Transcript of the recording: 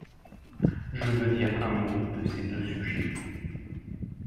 Je veux dire un mot de ces deux sujets.